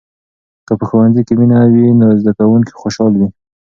که په ښوونځي کې مینه وي، نو زده کوونکي خوشحال وي.